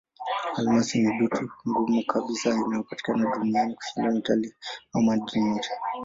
Almasi ni dutu ngumu kabisa inayopatikana duniani kushinda metali au madini yote.